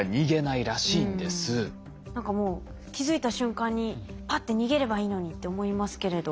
何かもう気付いた瞬間にパッて逃げればいいのにって思いますけれど。